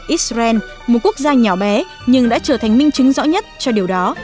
israel một quốc gia nhỏ bé nhưng đã trở thành minh chứng rõ nhất cho điều đó